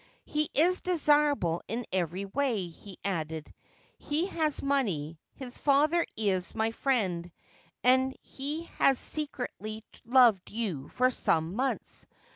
4 He is desirable in every way,' he added. ' He has f money. His father is my friend, and he has secretly) loved you for some months.